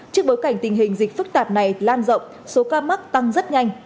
trước bối cảnh tình hình dịch phức tạp này lan rộng số ca mắc tăng rất nhanh